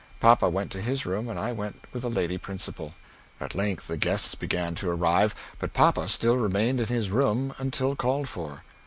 Papa went to his room and I went with the lady principal. At length the guests began to arive, but papa still remained in his room until called for.